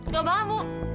suka banget bu